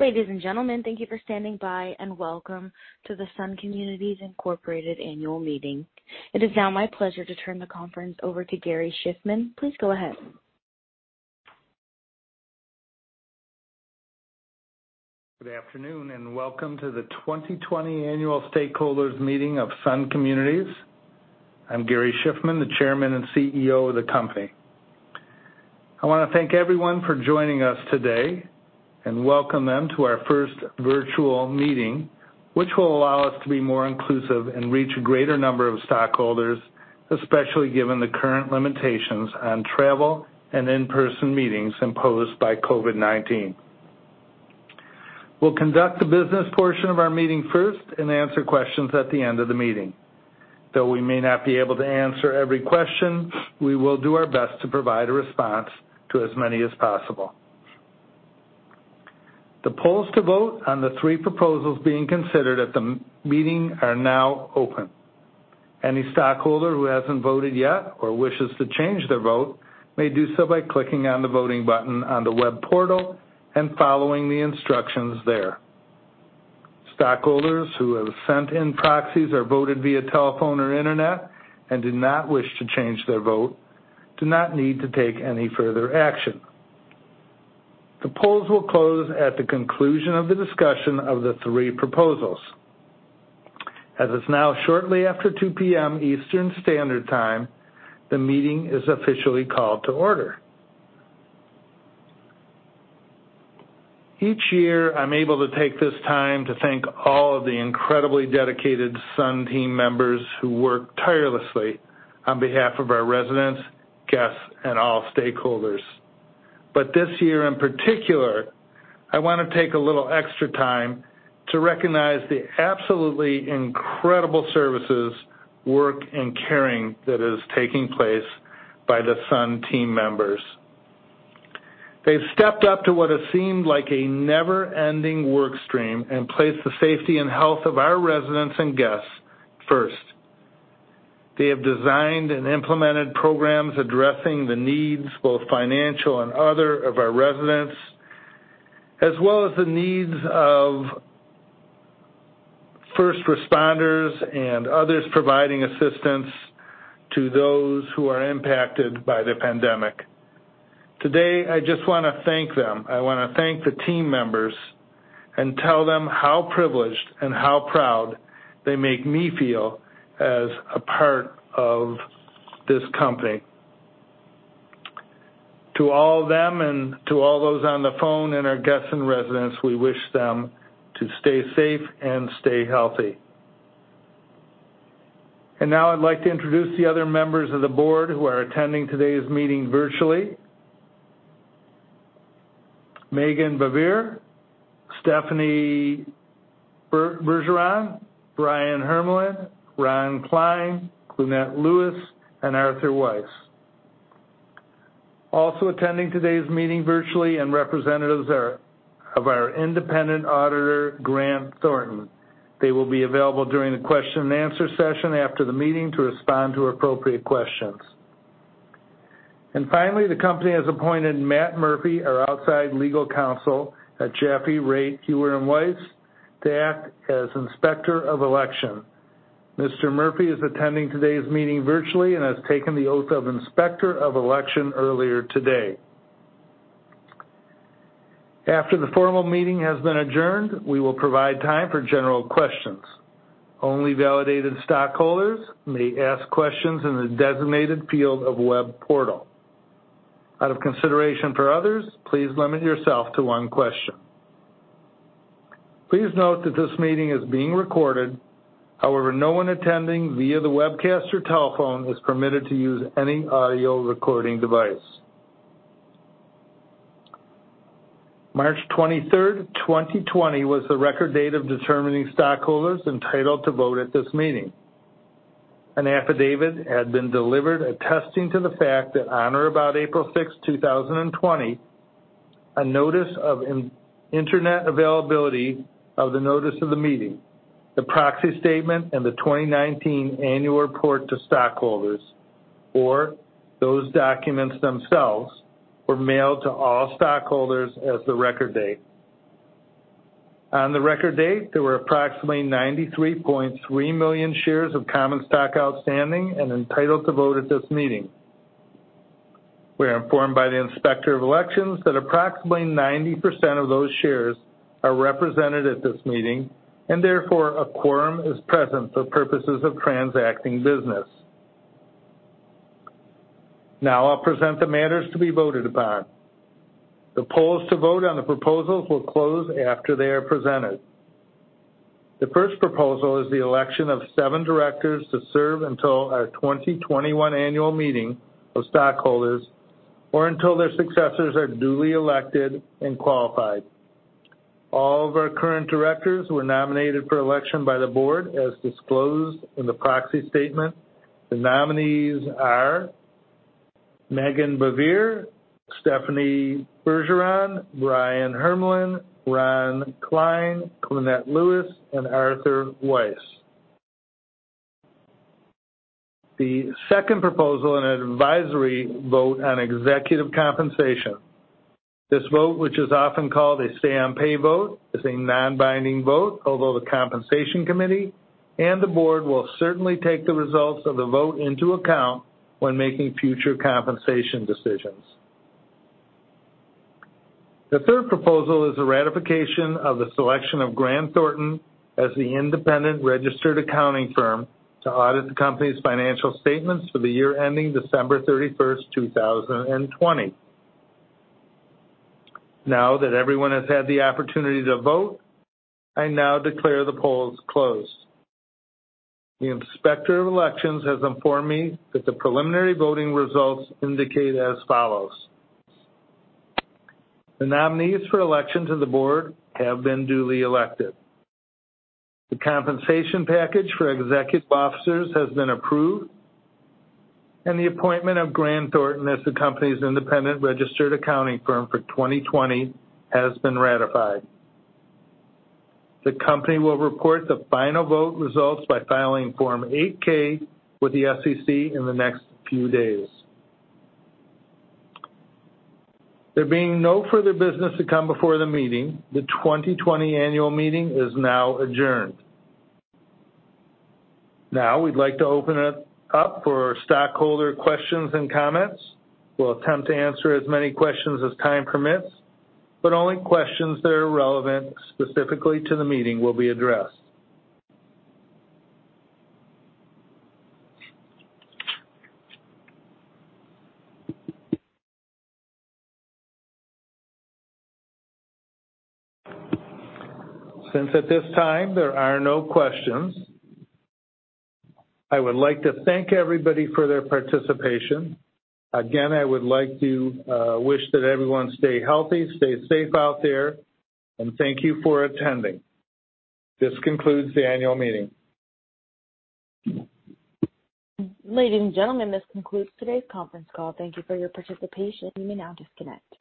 Ladies and gentlemen, thank you for standing by, and welcome to the Sun Communities Incorporated annual meeting. It is now my pleasure to turn the conference over to Gary Shiffman. Please go ahead. Good afternoon, and welcome to the 2020 annual stakeholders meeting of Sun Communities Incorporated. I'm Gary Shiffman, the Chairman and CEO of the company. I want to thank everyone for joining us today and welcome them to our first virtual meeting, which will allow us to be more inclusive and reach a greater number of stockholders, especially given the current limitations on travel and in-person meetings imposed by COVID-19. We'll conduct the business portion of our meeting first and answer questions at the end of the meeting. Though we may not be able to answer every question, we will do our best to provide a response to as many as possible. The polls to vote on the three proposals being considered at the meeting are now open. Any stockholder who hasn't voted yet or wishes to change their vote may do so by clicking on the voting button on the web portal and following the instructions there. Stockholders who have sent in proxies or voted via telephone or internet and do not wish to change their vote do not need to take any further action. The polls will close at the conclusion of the discussion of the three proposals. As it's now shortly after 2:00 P.M. Eastern Standard Time, the meeting is officially called to order. Each year, I'm able to take this time to thank all of the incredibly dedicated Sun team members who work tirelessly on behalf of our residents, guests, and all stakeholders. This year in particular, I want to take a little extra time to recognize the absolutely incredible services, work, and caring that is taking place by the Sun team members. They've stepped up to what has seemed like a never-ending work stream and placed the safety and health of our residents and guests first. They have designed and implemented programs addressing the needs, both financial and other, of our residents, as well as the needs of first responders and others providing assistance to those who are impacted by the pandemic. Today, I just want to thank them. I want to thank the team members and tell them how privileged and how proud they make me feel as a part of this company. To all of them and to all those on the phone and our guests and residents, we wish them to stay safe and stay healthy. Now I'd like to introduce the other members of the board who are attending today's meeting virtually. Meghan Baivier, Stephanie Bergeron, Brian Hermelin, Ron Klein, Clunet Lewis, and Arthur Weiss. Also attending today's meeting virtually are representatives of our independent auditor, Grant Thornton. They will be available during the question and answer session after the meeting to respond to appropriate questions. Finally, the company has appointed Matt Murphy, our outside legal counsel at Jaffe, Raitt, Heuer & Weiss, to act as Inspector of Election. Mr. Murphy is attending today's meeting virtually and has taken the oath of Inspector of Election earlier today. After the formal meeting has been adjourned, we will provide time for general questions. Only validated stockholders may ask questions in the designated field of web portal. Out of consideration for others, please limit yourself to one question. Please note that this meeting is being recorded. No one attending via the webcast or telephone is permitted to use any audio recording device. March 23rd, 2020 was the record date of determining stockholders entitled to vote at this meeting. An affidavit had been delivered attesting to the fact that on or about April 6th, 2020, a notice of internet availability of the notice of the meeting, the proxy statement, and the 2019 annual report to stockholders, or those documents themselves, were mailed to all stockholders as the record date. On the record date, there were approximately 93.3 million shares of common stock outstanding and entitled to vote at this meeting. We are informed by the Inspector of Election that approximately 90% of those shares are represented at this meeting. Therefore, a quorum is present for purposes of transacting business. Now I'll present the matters to be voted upon. The polls to vote on the proposals will close after they are presented. The first proposal is the election of seven directors to serve until our 2021 annual meeting of stockholders or until their successors are duly elected and qualified. All of our current directors were nominated for election by the board as disclosed in the proxy statement. The nominees are Meghan Baivier, Stephanie Bergeron, Brian Hermelin, Ron Klein, Clunet Lewis, and Arthur Weiss. The second proposal, an advisory vote on executive compensation. This vote, which is often called a say on pay vote, is a non-binding vote, although the compensation committee and the board will certainly take the results of the vote into account when making future compensation decisions. The third proposal is a ratification of the selection of Grant Thornton as the independent registered accounting firm to audit the company's financial statements for the year ending December 31st, 2020. Now that everyone has had the opportunity to vote, I now declare the polls closed. The Inspector of Elections has informed me that the preliminary voting results indicate as follows. The nominees for election to the board have been duly elected. The compensation package for executive officers has been approved, and the appointment of Grant Thornton as the company's independent registered accounting firm for 2020 has been ratified. The company will report the final vote results by filing Form 8-K with the SEC in the next few days. There being no further business to come before the meeting, the 2020 annual meeting is now adjourned. Now, we'd like to open it up for stockholder questions and comments. We'll attempt to answer as many questions as time permits, but only questions that are relevant specifically to the meeting will be addressed. Since at this time there are no questions, I would like to thank everybody for their participation. Again, I would like to wish that everyone stay healthy, stay safe out there, and thank you for attending. This concludes the annual meeting. Ladies and gentlemen, this concludes today's conference call. Thank you for your participation. You may now disconnect.